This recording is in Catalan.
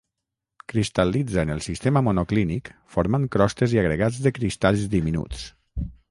Cristal·litza en el sistema monoclínic formant crostes i agregats de cristalls diminuts.